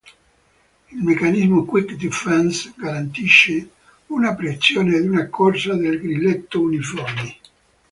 Il meccanismo Quick Defense garantisce una pressione ed una corsa del grilletto uniformi.